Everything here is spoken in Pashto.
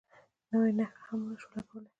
نوې نښه هم نه شو لګولی.